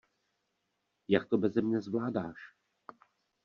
Jak to beze mne zvládáš?